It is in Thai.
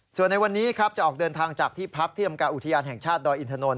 ส่วนในวันนี้ครับจะออกเดินทางจากที่พักที่อำการอุทยานแห่งชาติดอยอินทนนท